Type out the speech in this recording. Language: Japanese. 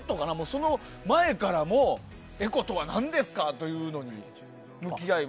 その前からもエコとは何ですかというのに向き合い。